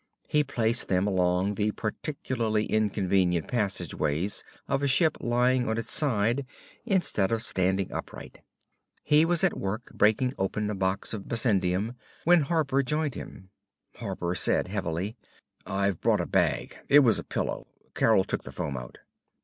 He placed them along the particularly inconvenient passageways of a ship lying on its side instead of standing upright. He was at work breaking open a box of bessendium when Harper joined him. Harper said heavily; "I've brought a bag. It was a pillow. Carol took the foam out."